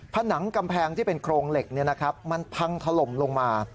ผนังกำแพงที่เป็นโครงเหล็กมันพังถล่มลงมา